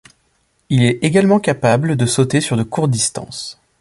Il est également capable de sauter sur de courtes distances.